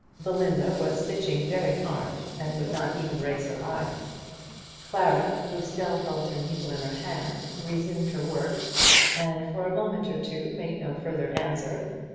Belinda was stitching very hard, and would not even raise her eyes. Clara, who still held her needle in her hand, resumed her work, and for a moment or two made no further answer.